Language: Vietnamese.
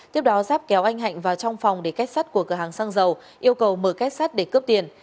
tiếp đó giáp kéo anh hạnh vào trong phòng để kết sắt của cửa hàng xăng dầu yêu cầu mở kết sắt để cướp tiền